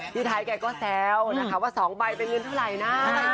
พี่ไทยแกก็แซวนะคะว่า๒ใบเป็นเงินเท่าไหร่นะ